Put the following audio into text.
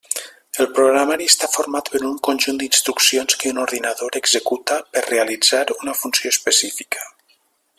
El programari està format per un conjunt d'instruccions que un ordinador executa per realitzar una funció específica.